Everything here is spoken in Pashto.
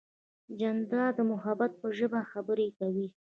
جانداد د محبت په ژبه خبرې کوي.